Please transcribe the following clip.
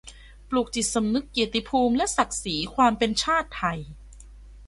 ปลูกจิตสำนึกเกียรติภูมิและศักดิ์ศรีความเป็นชาติไทย